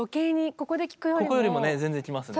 ここよりも全然きますね。